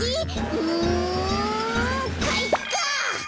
うんかいか！